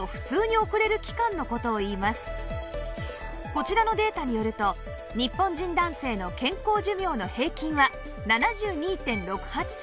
こちらのデータによると日本人男性の健康寿命の平均は ７２．６８ 歳